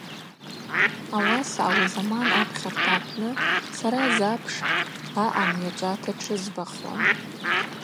Ауаса ауи азаман апхьарта апны сара запш аъам йачӏвата тшызбахуан.